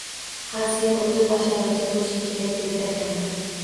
Ha, sen o`zi bashoratchi bo`lishing kerak edi-da kampir